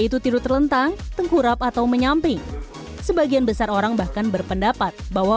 itu tiru terlentang tengkurap atau menyamping sebagian besar orang bahkan berpendapat bahwa